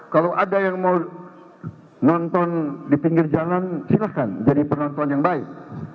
kalau ada yang mau nonton di pinggir jalan silahkan jadi penonton yang baik